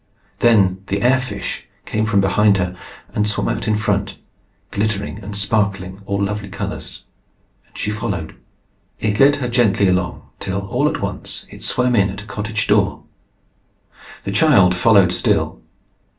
Then the air fish came from behind her, and swam on in front, glittering and sparkling all lovely colours; and she followed. It led her gently along till all at once it swam in at a cottage door. The child followed still.